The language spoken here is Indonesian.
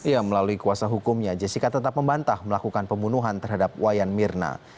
ya melalui kuasa hukumnya jessica tetap membantah melakukan pembunuhan terhadap wayan mirna